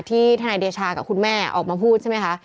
ทนายเดชากับคุณแม่ออกมาพูดใช่ไหมคะ